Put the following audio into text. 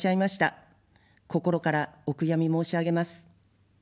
心からお悔やみ申し上げます。